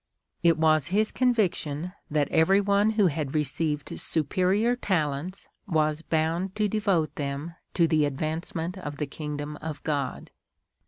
It was his conviction that every one who had received superior talents was bound to devote them to the advancement of the kingdom of God."